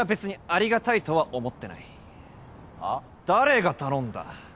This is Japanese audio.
誰が頼んだ？